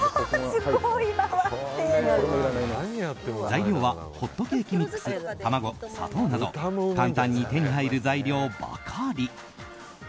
材料はホットケーキミックス卵、砂糖など簡単に手に入る材料ばかり。